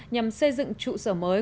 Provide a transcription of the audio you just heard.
nhằm xây dựng trụ sở mới